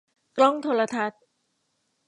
กล้องโทรทัศน์